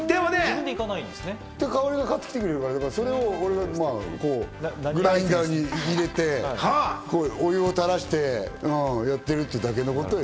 香織が買ってきてくれるから、俺がグラインダーに入れて、お湯をたらしてっていうだけのことよ。